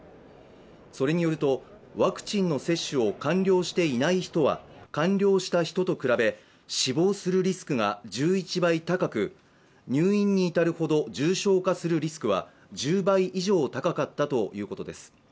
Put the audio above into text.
それによると、ワクチンの接種を完了していない人は完了した人と比べ死亡するリスクが１１倍高く入院に至るほど重症化するリスクは１０倍以上高かったということです。